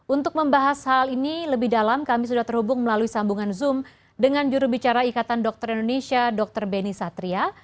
untuk membahas hal ini lebih dalam kami sudah terhubung melalui sambungan zoom dengan jurubicara ikatan dokter indonesia dr beni satria